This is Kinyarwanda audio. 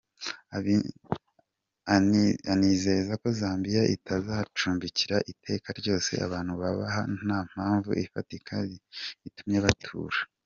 Anizeza ko Zambia itazacumbikira iteka ryose abantu bahaba nta mpamvu ifatika itumye batura.